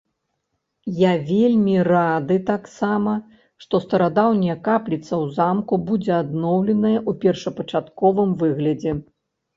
Я вельмі рады таксама, што старадаўняя капліца ў замку будзе адноўленая ў першапачатковым выглядзе.